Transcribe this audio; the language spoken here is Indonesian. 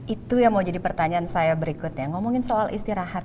itu yang mau jadi pertanyaan saya berikutnya ngomongin soal istirahat